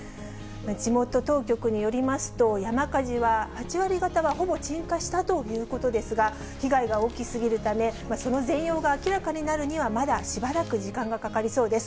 地元当局によりますと、山火事は８割方はほぼ鎮火したということですが、被害が大きすぎるため、その全容が明らかになるにはまだしばらく時間がかかりそうです。